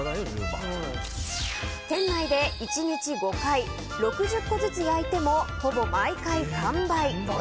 店内で１日５回６０個ずつ焼いてもほぼ毎回完売。